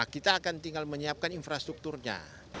kita akan tinggal menyiapkan infrastrukturnya